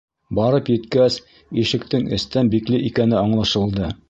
Барып еткәс, ишектең эстән бикле икәне аңлашылды.